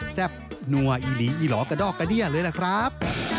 แซ่บนัวอีหลีอีหลอกระดอกกระเดี้ยเลยล่ะครับ